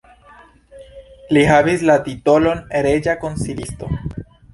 Li havis la titolon reĝa konsilisto.